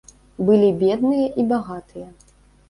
Былі бедныя і багатыя.